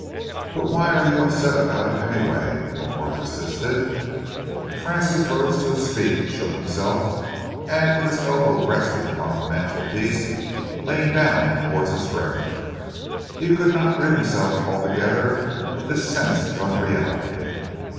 "But why are you upset about it, anyway?" Wilmore persisted. Francis rose to his feet, shook himself, and with his elbow resting upon the mantelpiece leaned down towards his friend. He could not rid himself altogether of this sense of unreality.